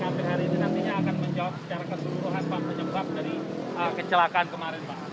apa penyebab dari kecelakaan kemarin pak